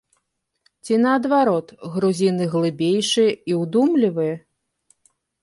Ці, наадварот, грузіны глыбейшыя і ўдумлівыя?